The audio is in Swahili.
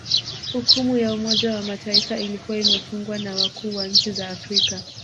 Hukumu ya Umoja wa Mataifa ilikuwa imefungwa na wakuu wa nchi za Afrika